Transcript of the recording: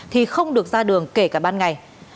thì không được ra đường kể cả bà nội